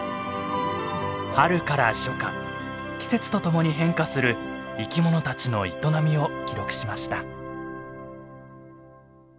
春から初夏季節とともに変化する生きものたちの営みを記録しました。